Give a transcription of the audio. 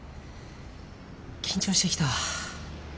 緊張してきた。